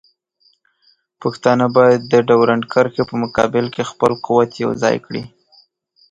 پښتانه باید د ډیورنډ کرښې په مقابل کې خپل قوت یوځای کړي.